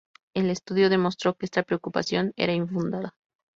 El estudio demostró que esta preocupación era infundada.